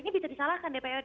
ini bisa disalahkan dprd